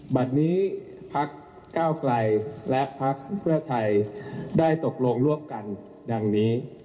บัตรนี้พักก้าวไกลและพักเพื่อไทยได้ตกลงร่วมกันดังนี้